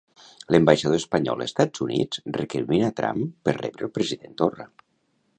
L'ambaixador espanyol a Estats Units recrimina Trump per rebre el president Torra.